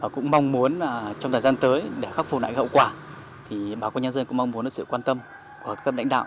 cũng mong muốn trong thời gian tới để khắc phục lại hậu quả thì bà con nhân dân cũng mong muốn được sự quan tâm của các lãnh đạo